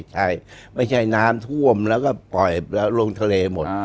ใช่ไม่ใช่น้ำท่วมแล้วก็ปล่อยลงทะเลหมด